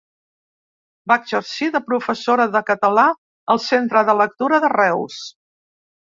Va exercir de professora de català al Centre de Lectura de Reus.